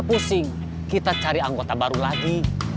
pusing kita cari anggota baru lagi